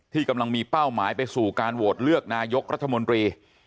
กำลังมีเป้าหมายไปสู่การโหวตเลือกนายกรัฐมนตรี